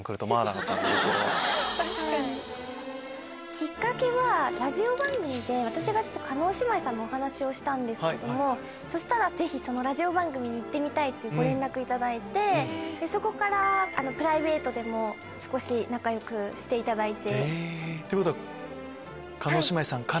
きっかけはラジオ番組で私がちょっと叶姉妹さんのお話をしたんですけどもそしたらぜひそのラジオ番組に行ってみたいっていうご連絡頂いてそこからプライベートでも少し仲良くしていただいて。ってことは叶姉妹さんからの。